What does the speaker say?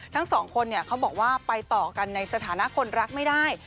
ทั้งสองคนเขาบอกว่าไปต่อกันในสถานะคนรักไม่ได้